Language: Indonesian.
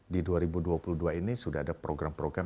di dua ribu dua puluh dua ini sudah ada program program